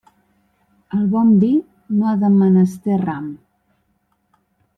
El bon vi no ha de menester ram.